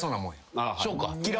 そうか。